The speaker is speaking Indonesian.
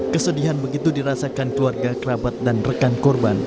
kesedihan begitu dirasakan keluarga kerabat dan rekan korban